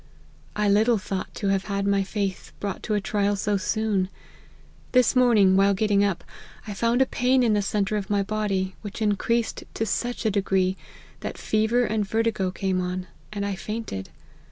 " I little thought to have had my faith brought to a trial so soon. This morning, while getting up I found a pain in the centre of my body, which in creased to such a degree, that fever and vertigo came on, and I fainted.